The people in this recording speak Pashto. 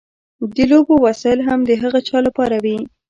د لوبو وسایل هم د هغه چا لپاره وي.